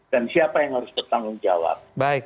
dan siapa yang harus bertanggung jawab